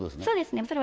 そうですね